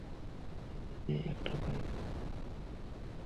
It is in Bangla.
এখানে একটা বাইক পার্ক করা।